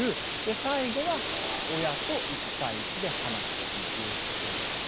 最後は親と１対１で話すということでした。